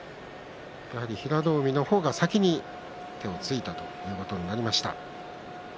平戸海の方が先に手をついたということになりました。